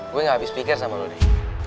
gue gak habis pikir sama lo deh